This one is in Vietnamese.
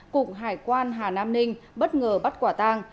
cụng hải quan hà nam ninh bất ngờ bắt quả tàng